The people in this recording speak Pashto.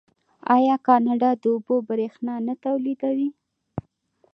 آیا کاناډا د اوبو بریښنا نه تولیدوي؟